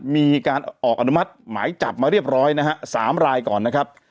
มีการออกอนุมัติหมายจับมาเรียบร้อยนะฮะ๓รายก่อนนะครับ